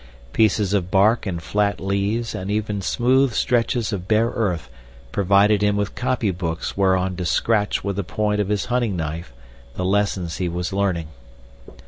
Pieces of bark and flat leaves and even smooth stretches of bare earth provided him with copy books whereon to scratch with the point of his hunting knife the lessons he was learning.